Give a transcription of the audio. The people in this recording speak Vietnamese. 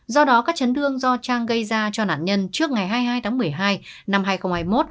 do đó các chấn thương do trang gây ra cho nạn nhân trước ngày hai mươi hai tháng một mươi hai năm hai nghìn hai mươi một